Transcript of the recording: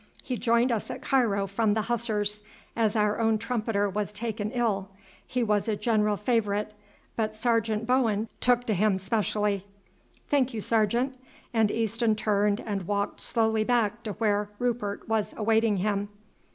He joined us at Cairo from the Hussars, as our own trumpeter was taken ill; he was a general favourite, but Sergeant Bowen took to him specially." "Thank you, sergeant;" and Easton turned and walked slowly back to where Rupert was awaiting him.